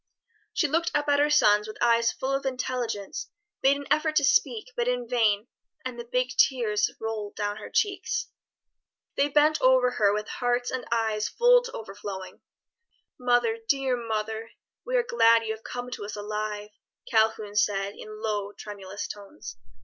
She looked up at her sons with eyes full of intelligence, made an effort to speak, but in vain; and the big tears rolled down her cheeks. They bent over her with hearts and eyes full to overflowing. "Mother, dear mother, we are glad you have come to us alive," Calhoun said in low, tremulous tones.